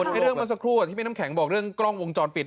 เรื่องเมื่อสักครู่ที่พี่น้ำแข็งบอกเรื่องกล้องวงจรปิด